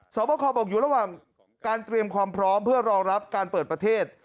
สอบประคอบอกอยู่ระหว่างการเตรียมความพร้อมเพื่อรองรับการเปิดประเทศ